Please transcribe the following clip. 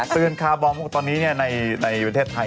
ตื่นคาร์บองเพราะว่าตอนนี้ในประเทศไทย